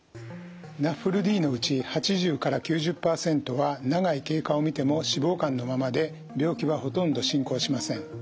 ＮＡＦＬＤのうち８０から９０％は長い経過を見ても脂肪肝のままで病気はほとんど進行しません。